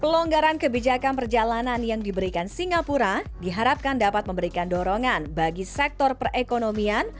pelonggaran kebijakan perjalanan yang diberikan singapura diharapkan dapat memberikan dorongan bagi sektor perekonomian